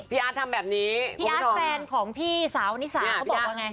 อาร์ตทำแบบนี้พี่อาร์ตแฟนของพี่สาวนิสาเขาบอกว่าไง